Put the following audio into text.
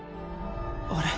あれ？